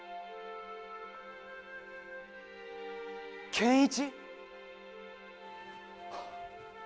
健一？